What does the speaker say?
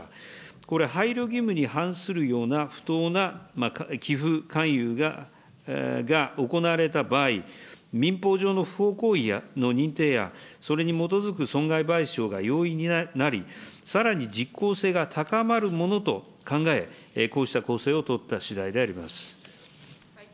これ、配慮義務に反するような不当な寄付勧誘が行われた場合、民法上の不法行為の認定や、それに基づく損害賠償が容易になり、さらに実効性が高まるものと考え、こうした構成を取ったしだいであります。